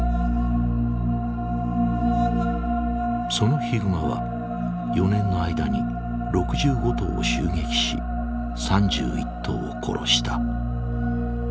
そのヒグマは４年の間に６５頭を襲撃し３１頭を殺した。